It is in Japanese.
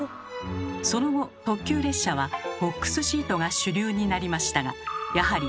その後特急列車はボックスシートが主流になりましたがやはり倒すことはできませんでした。